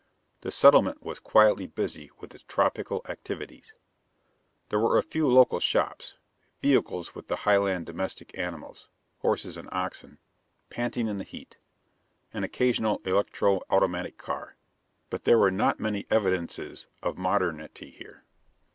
The settlement was quietly busy with its tropical activities. There were a few local shops; vehicles with the Highland domestic animals horses and oxen panting in the heat; an occasional electro automatic car. But there were not many evidences of modernity here.